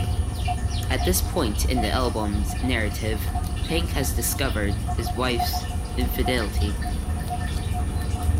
At this point in the album's narrative, Pink has discovered his wife's infidelity.